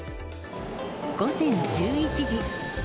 午前１１時。